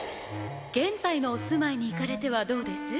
現在のお住まいに行かれてはどうです？